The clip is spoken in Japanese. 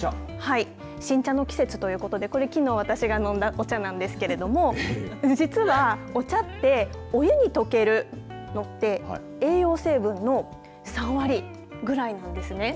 新茶の季節ということでこれ、きのう私が飲んだお茶なんですけど実はお茶ってお湯に溶けるものって栄養成分の３割ぐらいなんですね。